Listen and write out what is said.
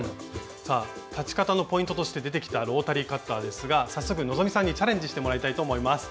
さあ裁ち方のポイントとして出てきたロータリーカッターですが早速希さんにチャレンジしてもらいたいと思います。